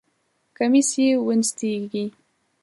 کمیس یې ونستېږی!